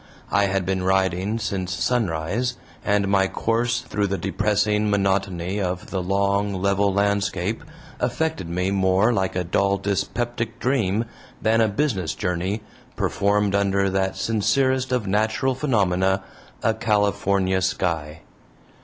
I had been riding since sunrise, and my course through the depressing monotony of the long level landscape affected me more like a dull dyspeptic dream than a business journey, performed under that sincerest of natural phenomena a California sky.